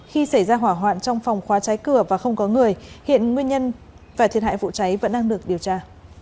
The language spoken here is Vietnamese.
khi xảy ra hỏa hoạn trong phòng khóa cháy cửa và không có người hiện nguyên nhân và thiệt hại vụ cháy vẫn đang được điều tra